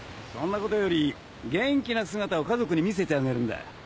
そんなことより元気な姿を家族に見せてあげるんだ。